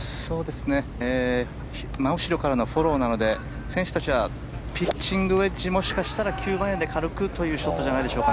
真後ろからのフォローなので選手たちは、ピッチングウェッジもしくは９番アイアンで軽くというショットじゃないでしょうか。